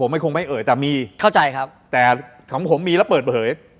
ผมไม่คงไม่เอ๋ยแต่มีแต่ของผมมีแล้วเปิดเผย